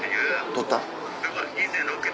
取った？